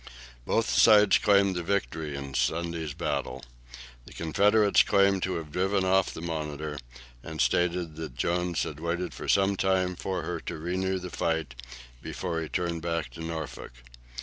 Both sides claimed the victory in the Sunday's battle. The Confederates claimed to have driven off the "Monitor," and stated that Jones had waited for some time for her to renew the fight, before he turned back to Norfolk.